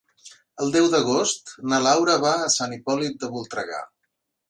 El deu d'agost na Laura va a Sant Hipòlit de Voltregà.